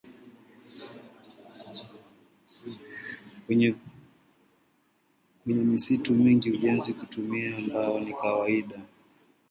Penye misitu mingi ujenzi kwa kutumia ubao ni kawaida.